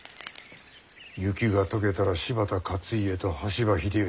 雪が解けたら柴田勝家と羽柴秀吉